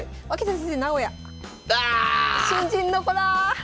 新人の子だ！